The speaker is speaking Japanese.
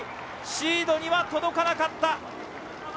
シードには届かなかった。